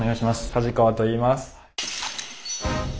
梶川といいます。